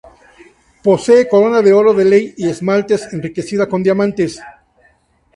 Posee corona de oro de ley y esmaltes, enriquecida con diamantes.